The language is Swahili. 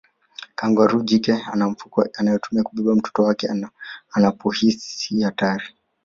Kangaroo jike ana mfuko anaotumia kubebea mtoto wake anapohisi hatari